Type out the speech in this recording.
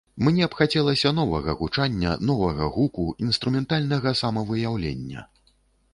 Мне б хацелася новага гучання, новага гуку, інструментальнага самавыяўлення.